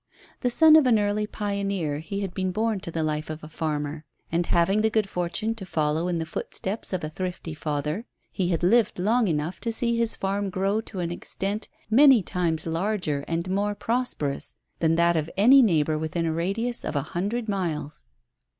The son of an early pioneer he had been born to the life of a farmer, and, having the good fortune to follow in the footsteps of a thrifty father, he had lived long enough to see his farm grow to an extent many times larger and more prosperous than that of any neighbour within a radius of a hundred miles.